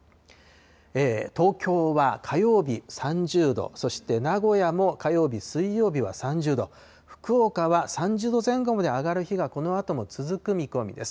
東京は火曜日３０度、そして名古屋も火曜日、水曜日は３０度、福岡は３０度前後まで上がる日がこのあとも続く見込みです。